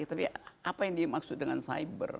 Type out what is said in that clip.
tapi apa yang dimaksud dengan cyber